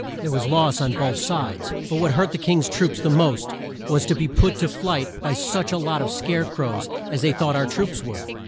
There was loss on both sides, but what hurt the King's troops the most was to be put to flight by such a lot of scare crows, as they thought our troops were.